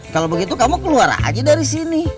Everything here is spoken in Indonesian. kalau begitu kamu keluar aja dari sini